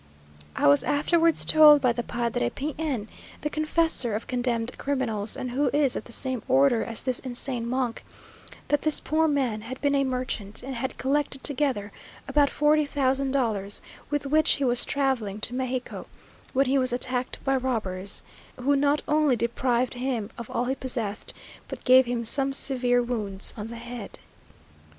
I was afterwards told by the Padre P n, the confessor of condemned criminals, and who is of the same order as this insane monk, that this poor man had been a merchant, and had collected together about forty thousand dollars, with which he was travelling to Mexico, when he was attacked by robbers, who not only deprived him of all he possessed, but gave him some severe wounds on the head.